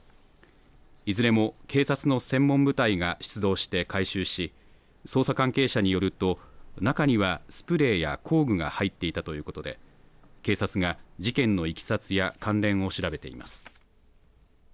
いずれも警察の専門部隊が出動して回収し捜査関係者によると中にはスプレーや工具が入っていたということで警察が事件のいきさつや関連を調べています。